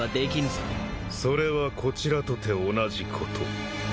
それはこちらとて同じこと。